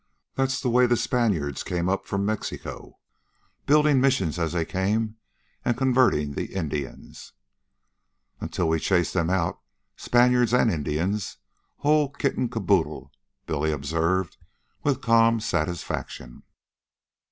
That's the way the Spaniards came up from Mexico, building missions as they came and converting the Indians." "Until we chased them out, Spaniards an' Indians, whole kit an' caboodle," Billy observed with calm satisfaction.